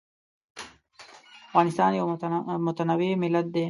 افغانستان یو متنوع ملت دی.